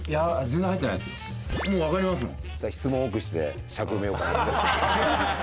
もう分かりますもん。